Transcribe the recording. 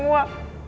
mau kau jual